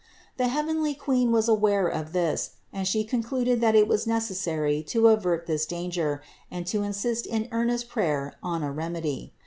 The heavenly Queen was aware of this and She con cluded that it was necessary to avert this danger and to insist in earnest prayer on a remedy.